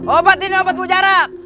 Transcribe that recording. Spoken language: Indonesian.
obat ini obat mujarab